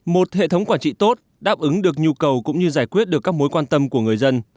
một hệ thống quản trị tốt đáp ứng được nhu cầu cũng như giải quyết được các mối quan tâm của người dân